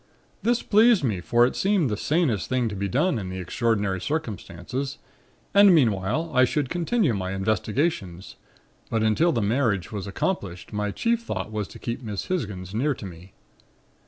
"This pleased me, for it seemed the sanest thing to be done in the extraordinary circumstances and meanwhile I should continue my investigations; but until the marriage was accomplished, my chief thought was to keep Miss Hisgins near to me.